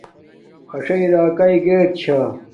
اݽݵ راکاݵ گیٹ چھا